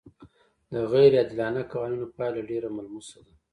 د غیر عادلانه قوانینو پایله ډېره ملموسه ده.